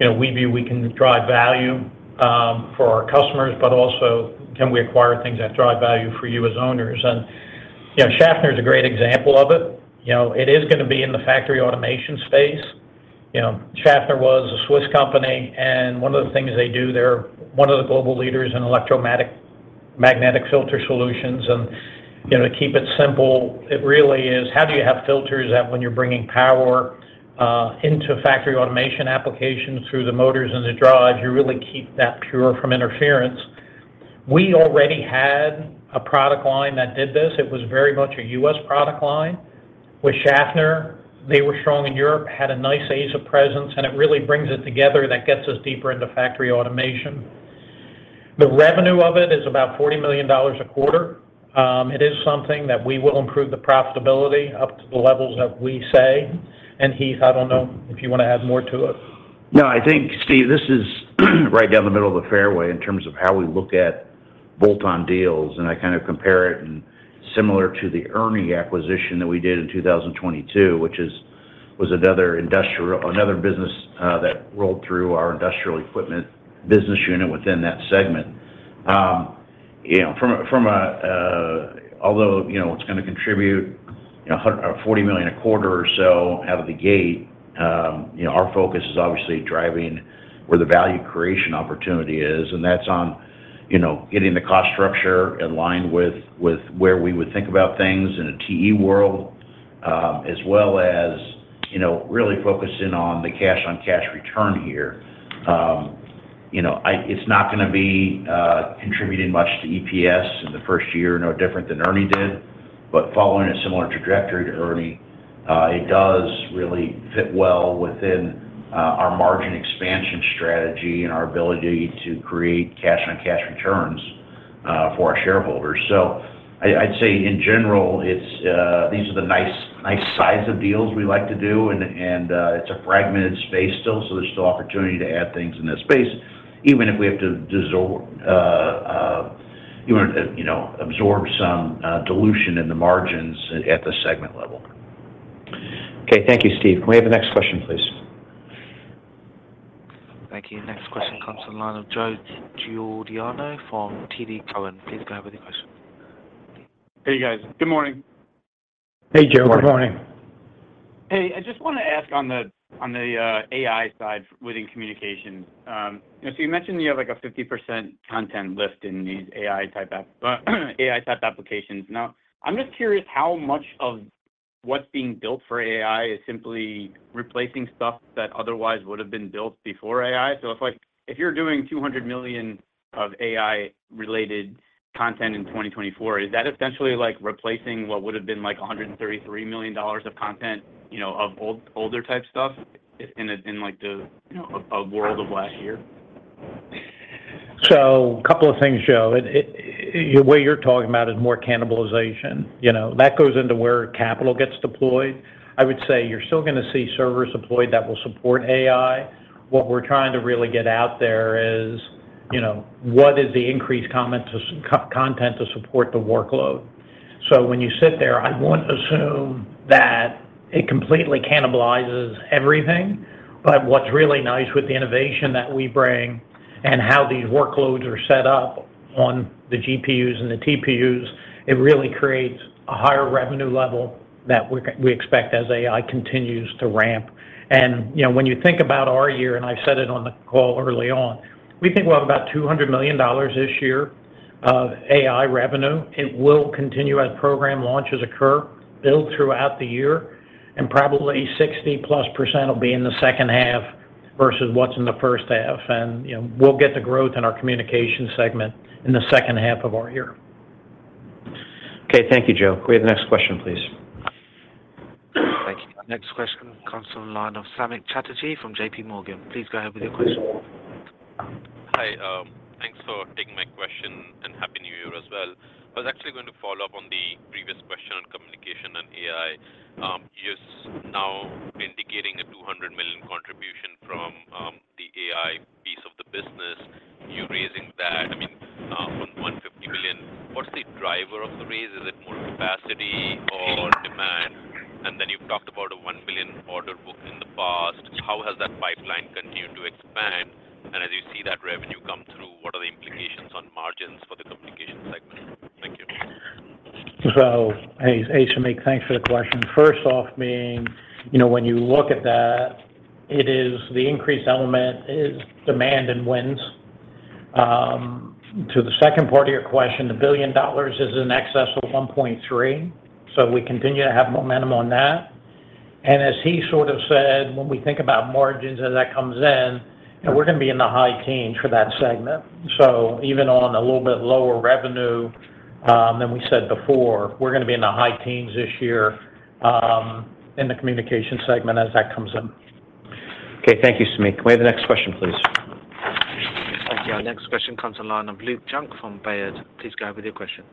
You know, we view we can drive value for our customers, but also can we acquire things that drive value for you as owners? And, you know, Schaffner is a great example of it. You know, it is gonna be in the factory automation space. You know, Schaffner was a Swiss company, and one of the things they do, they're one of the global leaders in electromagnetic filter solutions. You know, to keep it simple, it really is, how do you have filters that when you're bringing power into factory automation applications through the motors and the drives, you really keep that pure from interference. We already had a product line that did this. It was very much a U.S. product line. With Schaffner, they were strong in Europe, had a nice Asia presence, and it really brings it together that gets us deeper into factory automation. The revenue of it is about $40 million a quarter. It is something that we will improve the profitability up to the levels that we say, and Heath, I don't know if you want to add more to it. No, I think, Steve, this is right down the middle of the fairway in terms of how we look at bolt-on deals, and I kind of compare it and similar to the ERNI acquisition that we did in 2022, which was another Industrial- another business that rolled through our Industrial Equipment business unit within that segment. You know, from a, from a, although, you know, it's gonna contribute, you know, $140 million a quarter or so out of the gate, you know, our focus is obviously driving where the value creation opportunity is, and that's on, you know, getting the cost structure in line with, with where we would think about things in a TE world, as well as, you know, really focusing on the cash on cash return here. You know, it's not gonna be contributing much to EPS in the first year, no different than ERNI did, but following a similar trajectory to ERNI, it does really fit well within our margin expansion strategy and our ability to create cash on cash returns for our shareholders. So I'd say in general, it's the nice size of deals we like to do, and it's a fragmented space still, so there's still opportunity to add things in that space, even if we have to absorb some dilution in the margins at the segment level. Okay, thank you, Steve. Can we have the next question, please? Thank you. Next question comes to the line of Joe Giordano from TD Cowen. Please go ahead with your question. Hey, guys. Good morning. Hey, Joe. Good morning. Morning. Hey, I just want to ask on the AI side within Communications. So you mentioned you have, like, a 50% content lift in these AI type app, AI type applications. Now, I'm just curious how much of what's being built for AI is simply replacing stuff that otherwise would have been built before AI? So if, like, if you're doing $200 million of AI-related content in 2024, is that essentially like replacing what would have been, like, a $133 million of content, you know, of older type stuff in a, in, like, the, you know, a world of last year? So a couple of things, Joe. What you're talking about is more cannibalization. You know, that goes into where capital gets deployed. I would say you're still gonna see servers deployed that will support AI. What we're trying to really get out there is, you know, what is the increased content to co-content to support the workload? So when you sit there, I won't assume that it completely cannibalizes everything, but what's really nice with the innovation that we bring and how these workloads are set up on the GPUs and the TPUs, it really creates a higher revenue level that we expect as AI continues to ramp. And, you know, when you think about our year, and I said it on the call early on, we think we'll have about $200 million this year of AI revenue. It will continue as program launches occur, build throughout the year, and probably 60+% will be in the second half versus what's in the first half. And, you know, we'll get the growth in our Communications Segment in the second half of our year. Okay. Thank you, Joe. Can we have the next question, please? Thank you. Next question comes on the line of Samik Chatterjee from JPMorgan. Please go ahead with your question. Hi, thanks for taking my question, and Happy New Year as well. I was actually going to follow up on the previous question on Communication and AI. You're now indicating a $200 million contribution from the AI piece of the business. You're raising that, I mean, from $150 billion. What's the driver of the raise? Is it more capacity or demand? And then you've talked about a $1 billion order book in the past. How has that pipeline continued to expand? And as you see that revenue come through, what are the implications on margins for the Communications Segment? Thank you. So, hey, hey, Samik, thanks for the question. First off, being, you know, when you look at that, it is the increased element is demand and wins. To the second part of your question, the $1 billion is in excess of $1.3 billion, so we continue to have momentum on that. And as he sort of said, when we think about margins as that comes in, and we're gonna be in the high teens for that segment. So even on a little bit lower revenue, than we said before, we're gonna be in the high teens this year, in the Communications Segment as that comes in. Okay. Thank you, Samik. May we have the next question, please? Thank you. Our next question comes on the line of Luke Junk from Baird. Please go ahead with your question.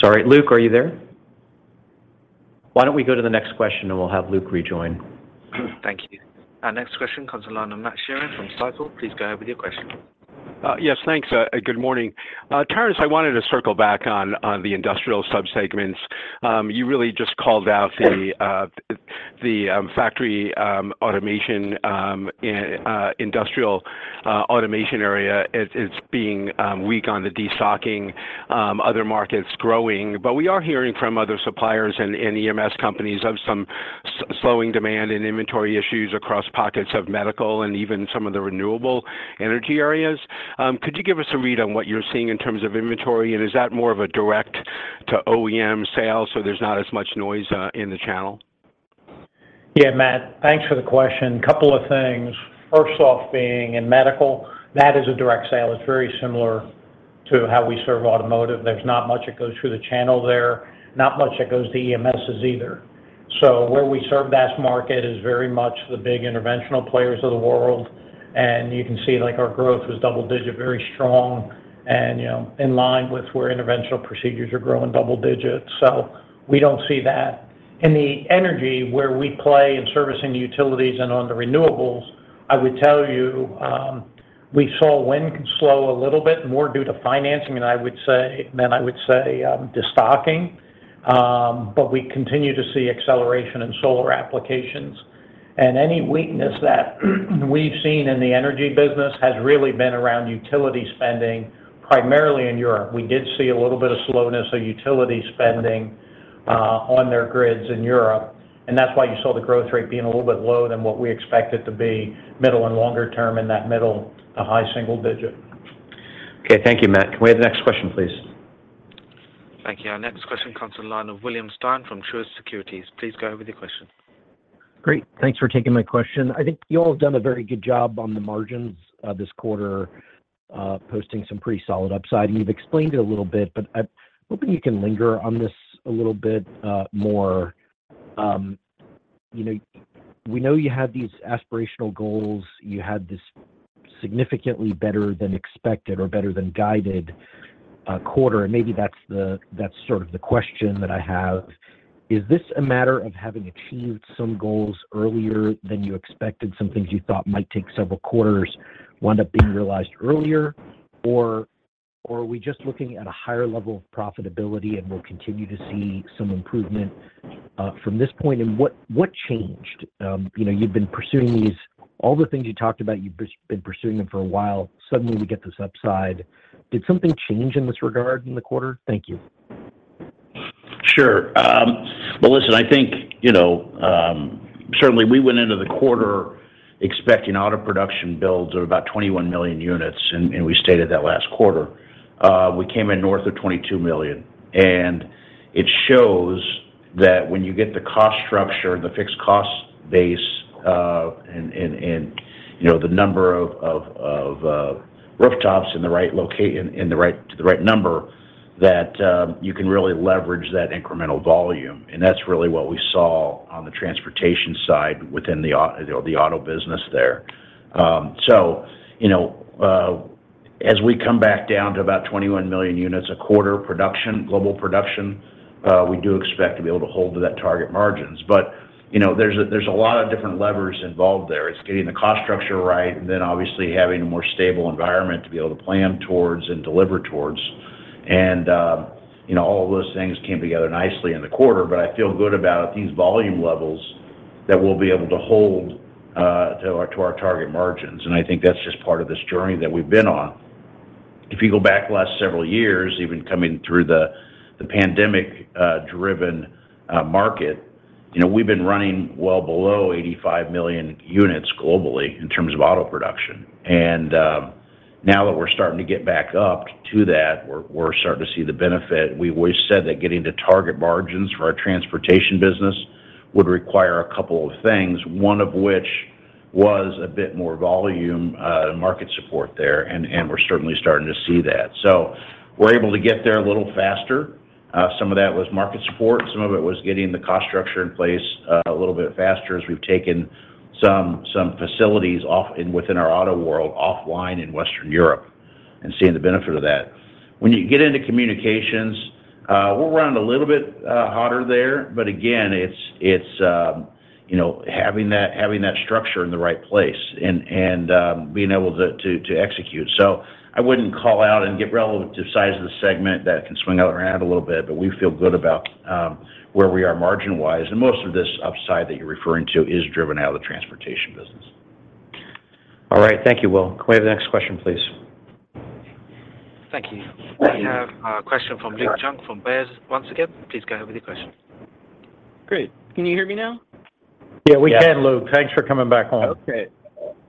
Sorry, Luke, are you there? Why don't we go to the next question, and we'll have Luke rejoin. Thank you. Our next question comes on the line of Matt Sheerin from Stifel. Please go ahead with your question. Yes, thanks. Good morning. Terrence, I wanted to circle back on the Industrial subsegments. You really just called out the factory automation and Industrial automation area as being weak on the destocking, other markets growing. But we are hearing from other suppliers and EMS companies of some slowing demand and inventory issues across pockets of Medical and even some of the renewable energy areas. Could you give us a read on what you're seeing in terms of inventory? And is that more of a direct to OEM sales, so there's not as much noise in the channel? Yeah, Matt, thanks for the question. Couple of things. First off, being in Medical, that is a direct sale. It's very similar to how we serve automotive. There's not much that goes through the channel there, not much that goes to EMSs either. So where we serve that market is very much the big interventional players of the world, and you can see, like our growth was double-digit, very strong and, you know, in line with where interventional procedures are growing double digits. So we don't see that. In the Energy, where we play in servicing the utilities and on the renewables, I would tell you, we saw wind slow a little bit more due to financing, and I would say than I would say, destocking. But we continue to see acceleration in solar applications, and any weakness that we've seen in the Energy business has really been around utility spending, primarily in Europe. We did see a little bit of slowness of utility spending, on their grids in Europe, and that's why you saw the growth rate being a little bit lower than what we expected to be middle and longer term in that middle to high single digit. Okay. Thank you, Matt. Can we have the next question, please? Thank you. Our next question comes to the line of William Stein from Truist Securities. Please go ahead with your question. Great. Thanks for taking my question. I think you all have done a very good job on the margins, this quarter, posting some pretty solid upside, and you've explained it a little bit, but I'm hoping you can linger on this a little bit, more. You know, we know you had these aspirational goals, you had this significantly better than expected or better than guided, quarter, and maybe that's the-- that's sort of the question that I have. Is this a matter of having achieved some goals earlier than you expected, some things you thought might take several quarters, wound up being realized earlier? Or, or are we just looking at a higher level of profitability and we'll continue to see some improvement, from this point? And what, what changed? You know, you've been pursuing these, all the things you talked about, you've been pursuing them for a while. Suddenly, we get this upside. Did something change in this regard in the quarter? Thank you. Sure. Well, listen, I think, you know, certainly we went into the quarter expecting auto production builds of about 21 million units, and we stated that last quarter. We came in north of 22 million, and it shows that when you get the cost structure, the fixed cost base, and, you know, the number of rooftops in the right location to the right number, that you can really leverage that incremental volume. And that's really what we saw on the Transportation side within the Auto business there. So, you know, as we come back down to about 21 million units a quarter production, global production, we do expect to be able to hold to that target margins. But, you know, there's a lot of different levers involved there. It's getting the cost structure right, and then obviously having a more stable environment to be able to plan towards and deliver towards. And, you know, all of those things came together nicely in the quarter, but I feel good about these volume levels that we'll be able to hold to our target margins. And I think that's just part of this journey that we've been on. If you go back the last several years, even coming through the pandemic, driven market, you know, we've been running well below 85 million units globally in terms of auto production. Now that we're starting to get back up to that, we're starting to see the benefit. We always said that getting to target margins for our Transportation business would require a couple of things, one of which was a bit more volume, and market support there, and we're certainly starting to see that. So we're able to get there a little faster. Some of that was market support, some of it was getting the cost structure in place, a little bit faster as we've taken some facilities off within our auto world, offline in Western Europe, and seeing the benefit of that. When you get into Communications, we'll run a little bit hotter there, but again, it's, you know, having that structure in the right place and, being able to execute. I wouldn't call out and give relevant to the size of the segment, that can swing around a little bit, but we feel good about where we are margin-wise. Most of this upside that you're referring to is driven out of the Transportation business. All right. Thank you, Will. Can we have the next question, please? Thank you. We have a question from Luke Junk from Baird. Once again, please go ahead with your question. Great. Can you hear me now? Yeah, we can, Luke. Thanks for coming back home. Okay.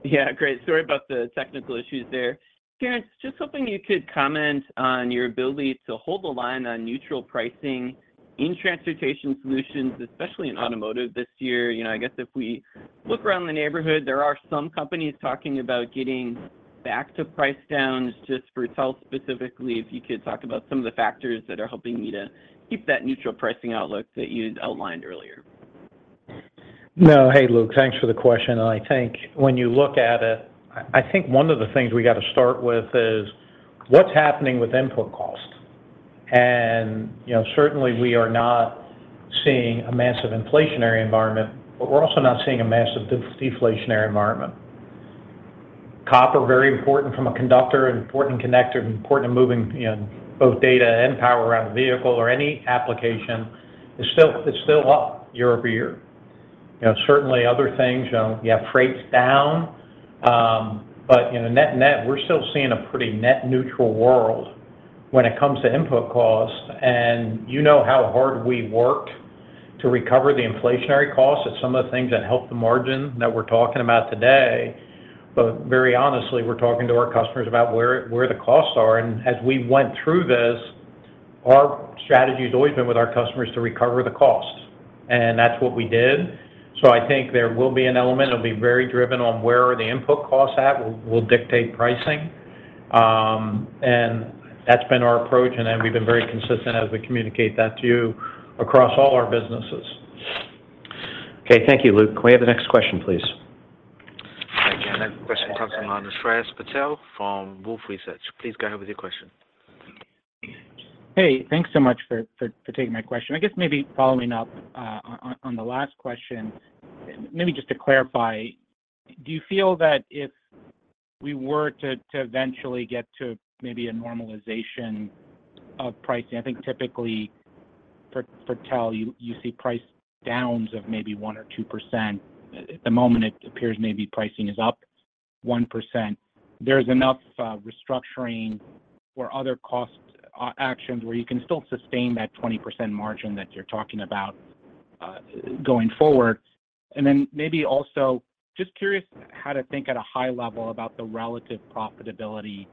Yeah, great. Sorry about the technical issues there. Terrence, just hoping you could comment on your ability to hold the line on neutral pricing in Transportation Solutions, especially in automotive this year. You know, I guess if we look around the neighborhood, there are some companies talking about getting back to price downs. Just for itself, specifically, if you could talk about some of the factors that are helping you to keep that neutral pricing outlook that you'd outlined earlier. No. Hey, Luke, thanks for the question, and I think when you look at it, I think one of the things we got to start with is what's happening with input cost. You know, certainly we are not seeing a massive inflationary environment, but we're also not seeing a massive deflationary environment. Copper, very important from a conductor, an important connector, and important to moving, you know, both data and power around the vehicle or any application, is still, it's still up year over year. You know, certainly other things, you have freights down, but, you know, net-net, we're still seeing a pretty net neutral world when it comes to input costs. You know how hard we worked to recover the inflationary costs, it's some of the things that help the margin that we're talking about today. Very honestly, we're talking to our customers about where the costs are, and as we went through this, our strategy has always been with our customers to recover the costs. That's what we did. So I think there will be an element. It'll be very driven on where are the input costs at, will dictate pricing. That's been our approach, and then we've been very consistent as we communicate that to you across all our businesses. Okay, thank you, Luke. Can we have the next question, please? Again, next question comes from Shreyas Patil from Wolfe Research. Please go ahead with your question. Hey, thanks so much for taking my question. I guess maybe following up on the last question, maybe just to clarify, do you feel that if we were to eventually get to maybe a normalization of pricing? I think typically for TEL, you see price downs of maybe 1% or 2%. At the moment, it appears maybe pricing is up 1%. There's enough restructuring or other cost actions where you can still sustain that 20% margin that you're talking about going forward. And then maybe also, just curious how to think at a high level about the relative profitability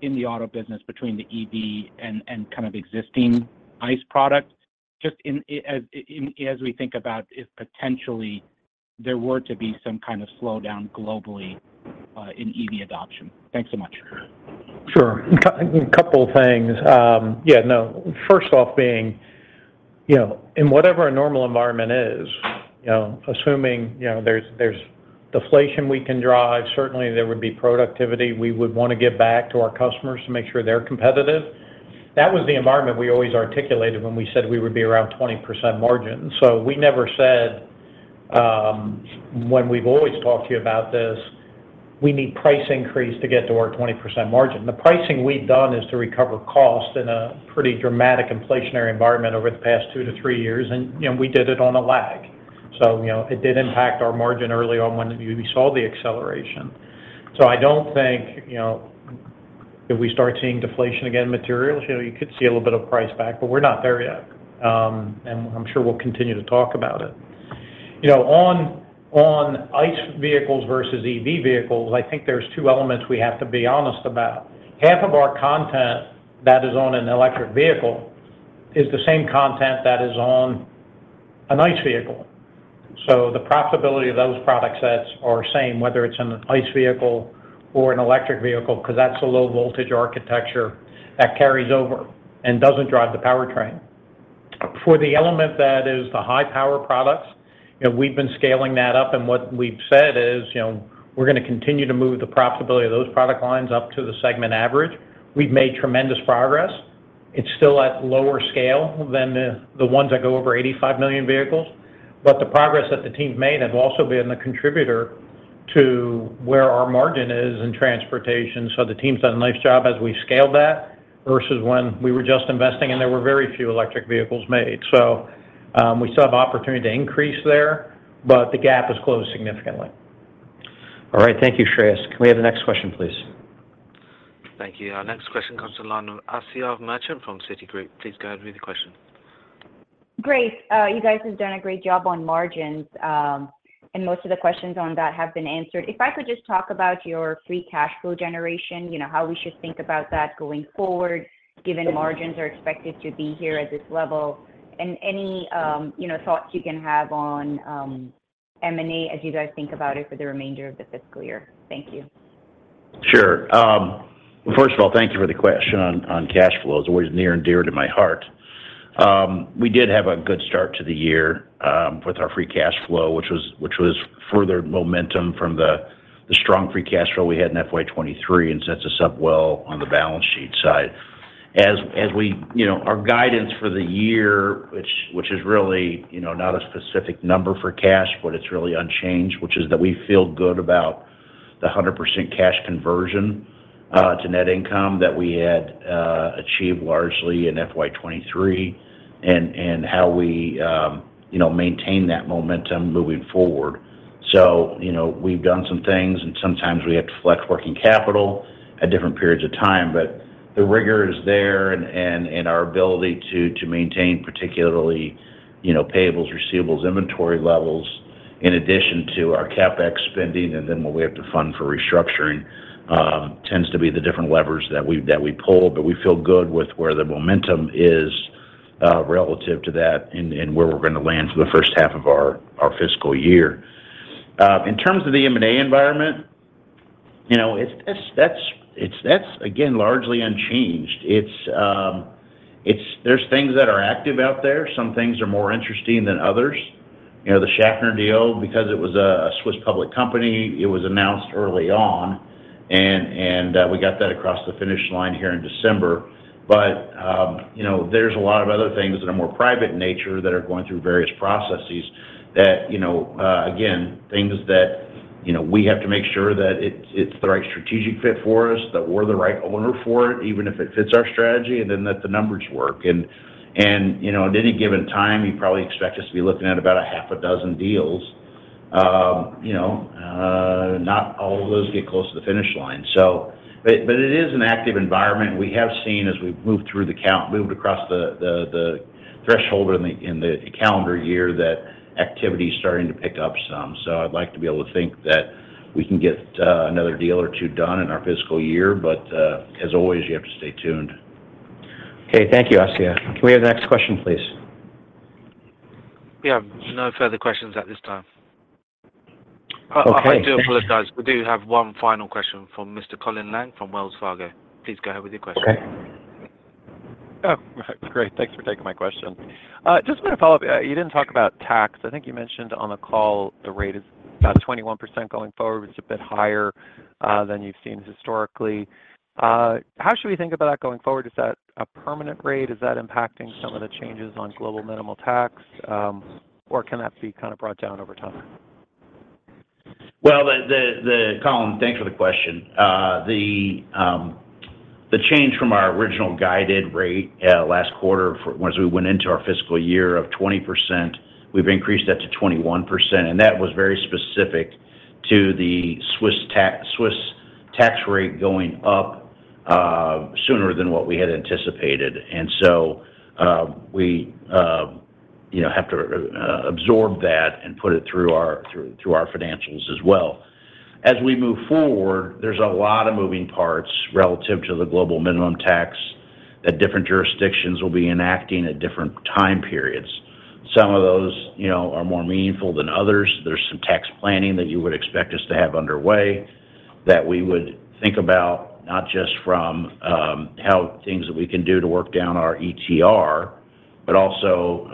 in the Auto business between the EV and kind of existing ICE products, just as we think about if potentially there were to be some kind of slowdown globally in EV adoption. Thanks so much. Sure. A couple of things. Yeah, no, first off, being, you know, in whatever a normal environment is, you know, assuming, you know, there's, there's deflation we can drive, certainly there would be productivity we would want to give back to our customers to make sure they're competitive. That was the environment we always articulated when we said we would be around 20% margin. So we never said, when we've always talked to you about this, we need price increase to get to our 20% margin. The pricing we've done is to recover cost in a pretty dramatic inflationary environment over the past 2-3 years, and, you know, we did it on a lag. So, you know, it did impact our margin early on when we saw the acceleration. I don't think, you know, if we start seeing deflation again in materials, you know, you could see a little bit of price back, but we're not there yet. And I'm sure we'll continue to talk about it. You know, on ICE vehicles versus EV vehicles, I think there's two elements we have to be honest about. Half of our content that is on an electric vehicle is the same content that is on an ICE vehicle. So the profitability of those product sets are the same, whether it's on an ICE vehicle or an electric vehicle, 'cause that's a low voltage architecture that carries over and doesn't drive the powertrain. For the element that is the high power products, and we've been scaling that up, and what we've said is, you know, we're gonna continue to move the profitability of those product lines up to the segment average. We've made tremendous progress. It's still at lower scale than the ones that go over 85 million vehicles. But the progress that the team's made has also been the contributor to where our margin is in Transportation. So the team's done a nice job as we scaled that versus when we were just investing, and there were very few electric vehicles made. So, we still have opportunity to increase there, but the gap has closed significantly. All right. Thank you, Shreyas. Can we have the next question, please? Thank you. Our next question comes from Asiya Merchant from Citigroup. Please go ahead with your question. Great. You guys have done a great job on margins, and most of the questions on that have been answered. If I could just talk about your free cash flow generation, you know, how we should think about that going forward, given margins are expected to be here at this level? And any, you know, thoughts you can have on M&A, as you guys think about it for the remainder of the fiscal year. Thank you. Sure. First of all, thank you for the question on cash flows. It's always near and dear to my heart. We did have a good start to the year with our free cash flow, which was further momentum from the strong free cash flow we had in FY 2023 and sets us up well on the balance sheet side. As we... You know, our guidance for the year, which is really, you know, not a specific number for cash, but it's really unchanged, which is that we feel good about the 100% cash conversion to net income that we had achieved largely in FY 2023, and how we, you know, maintain that momentum moving forward. So, you know, we've done some things, and sometimes we have to flex working capital at different periods of time, but the rigor is there and our ability to maintain particularly, you know, payables, receivables, inventory levels, in addition to our CapEx spending, and then what we have to fund for restructuring tends to be the different levers that we pull. But we feel good with where the momentum is relative to that and where we're gonna land for the first half of our fiscal year. In terms of the M&A environment, you know, it's - that's again, largely unchanged. It's - there's things that are active out there. Some things are more interesting than others. You know, the Schaffner deal, because it was a Swiss public company, it was announced early on, and we got that across the finish line here in December. But you know, there's a lot of other things that are more private in nature that are going through various processes that, you know, again, things that, you know, we have to make sure that it's the right strategic fit for us, that we're the right owner for it, even if it fits our strategy, and then that the numbers work. And you know, at any given time, you probably expect us to be looking at about six deals. You know, not all of those get close to the finish line, so... But it is an active environment, and we have seen as we've moved across the threshold in the calendar year, that activity is starting to pick up some. So I'd like to be able to think that we can get another deal or two done in our fiscal year, but as always, you have to stay tuned. Okay. Thank you, Asiya. Can we have the next question, please? We have no further questions at this time. Okay, thank you- I do apologize. We do have one final question from Mr. Colin Langan from Wells Fargo. Please go ahead with your question. Oh, great. Thanks for taking my question. Just want to follow up. You didn't talk about tax. I think you mentioned on the call the rate is about 21% going forward, which is a bit higher than you've seen historically. How should we think about that going forward? Is that a permanent rate? Is that impacting some of the changes on global minimum tax, or can that be kind of brought down over time? Well, Colin, thanks for the question. The change from our original guided rate last quarter for once we went into our fiscal year of 20%, we've increased that to 21%, and that was very specific to the Swiss tax, Swiss tax rate going up sooner than what we had anticipated. And so, we, you know, have to absorb that and put it through our financials as well. As we move forward, there's a lot of moving parts relative to the global minimum tax that different jurisdictions will be enacting at different time periods. Some of those, you know, are more meaningful than others. There's some tax planning that you would expect us to have underway, that we would think about, not just from, how things that we can do to work down our ETR, but also,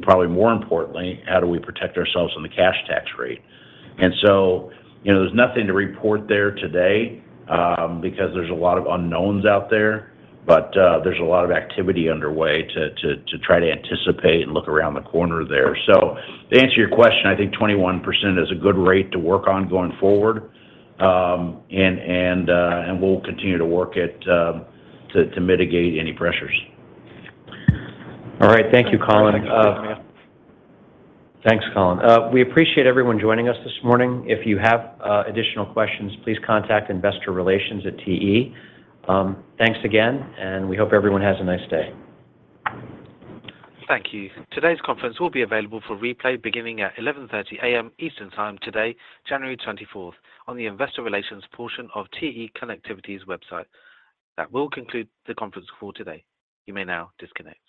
probably more importantly, how do we protect ourselves on the cash tax rate? And so, you know, there's nothing to report there today, because there's a lot of unknowns out there, but, there's a lot of activity underway to try to anticipate and look around the corner there. So to answer your question, I think 21% is a good rate to work on going forward. And we'll continue to work to mitigate any pressures. All right. Thank you, Colin. Thanks, Colin. We appreciate everyone joining us this morning. If you have additional questions, please contact Investor Relations at TE. Thanks again, and we hope everyone has a nice day. Thank you. Today's conference will be available for replay beginning at 11:30 A.M. Eastern time today, January 24, on the investor relations portion of TE Connectivity's website. That will conclude the conference call today. You may now disconnect.